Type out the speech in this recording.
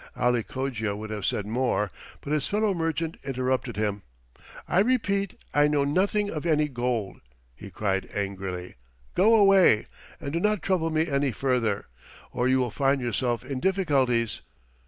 Ali Cogia would have said more, but his fellow merchant interrupted him. "I repeat I know nothing of any gold," he cried angrily. "Go away and do not trouble me any further, or you will find yourself in difficulties.